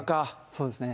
そうですね。